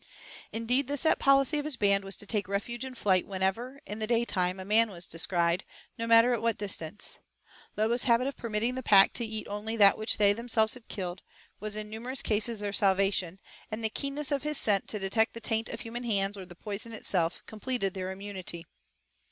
Indeed, the set policy of his band was to take refuge in flight whenever, in the daytime, a man was descried, no matter at what distance. Lobo's habit of permitting the pack to eat only that which they themselves had killed, was in numerous cases their salvation, and the keenness of his scent to detect the taint of human hands or the poison itself, completed their immunity.